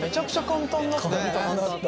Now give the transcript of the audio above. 簡単だった。